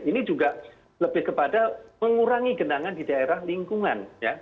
ini juga lebih kepada mengurangi genangan di daerah lingkungan